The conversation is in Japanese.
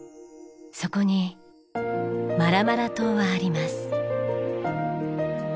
そこにマラマラ島はあります。